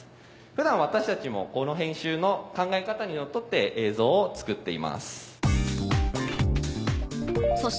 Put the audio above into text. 普段私たちもこの編集の考え方にのっとって映像を作っています。